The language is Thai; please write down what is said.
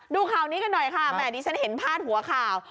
ดูข่าวนี้กันหน่อยค่ะแหมดิฉันเห็นพาดหัวข่าว